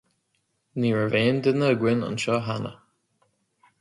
Ní raibh aon duine againn anseo cheana.